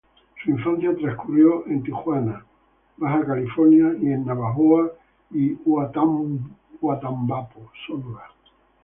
Su infancia transcurrió en Tijuana, Baja California, y en Navojoa y Huatabampo, Sonora.